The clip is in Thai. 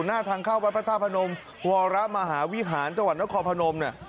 หน้าทางเข้าวัดพระธาตุพนมวรมหาวิหารจังหวัดนครพนมเนี่ย